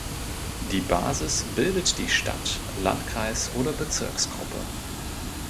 Die Basis bildet die Stadt-, Landkreis- oder Bezirksgruppe.